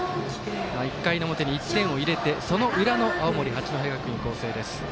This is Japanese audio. １回の表に１点を入れてその裏の青森、八戸学院光星です。